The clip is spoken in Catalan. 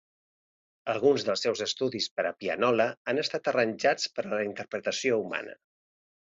Alguns dels seus estudis per a pianola han estat arranjats per a la interpretació humana.